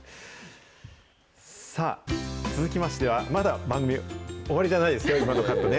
さあ、続きましては、まだ番組、終わりじゃないですよ、今のカットね。